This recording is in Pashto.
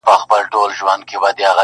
داسي سفردی پرنمبرباندي وردرومي هرڅوک,